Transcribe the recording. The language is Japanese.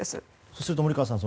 すると森川さん